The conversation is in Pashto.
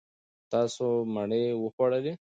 تاسو مڼې وخوړلې.